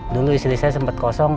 dulu istri saya sempat kosong